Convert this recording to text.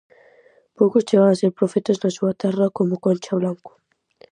Poucos chegan a ser profetas na súa terra como Concha Blanco.